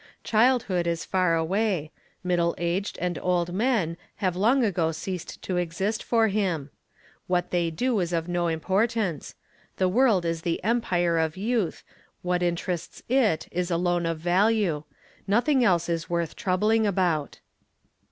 Childhood is far away: middle aged and old men have long ago ceased to exist for him; what th ley do is of no importance, the world is the empire of youth, what 'interests it is alone of value; nothing else is worth troubling about.